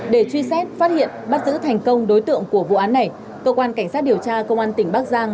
để truy xét phát hiện bắt giữ thành công đối tượng của vụ án này cơ quan cảnh sát điều tra công an tỉnh bắc giang